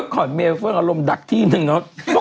โครตเมล์เฟิ้งอารมณ์ดักที่นึงเหล่ะ